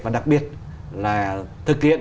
và đặc biệt là thực hiện